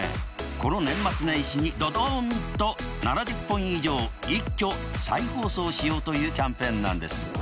この年末年始にどどんと７０本以上一挙再放送しようというキャンペーンなんです。